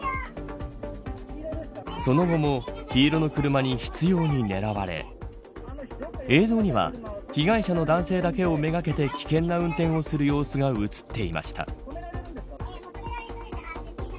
その後も黄色いの車に執拗に狙われ映像には被害者の男性だけをめがけて危険な運転をする様子が映っていました。